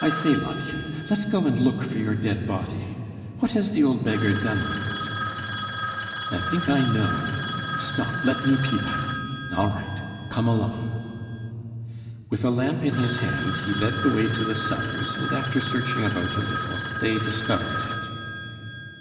"I say, Lottchen, let's go and look; for your dead body. What has the old beggar done with it?" "I think I know. Stop; let me peep out. All right! Come along." With a lamp in his hand, he led the way to the cellars, and after searching about a little they discovered it.